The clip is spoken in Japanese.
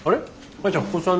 舞ちゃん